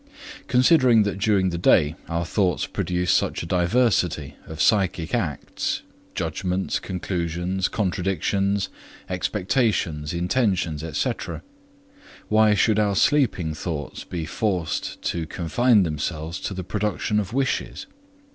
Considering that during the day our thoughts produce such a diversity of psychic acts judgments, conclusions, contradictions, expectations, intentions, &c. why should our sleeping thoughts be forced to confine themselves to the production of wishes?